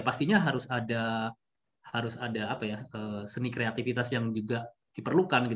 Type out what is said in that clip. pastinya harus ada seni kreativitas yang juga diperlukan